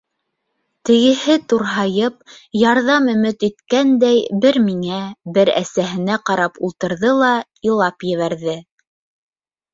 Тегеһе турһайып, ярҙам өмөт иткәндәй, бер миңә, бер әсәһенә ҡарап ултырҙы ла илап ебәрҙе.